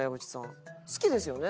好きですよね？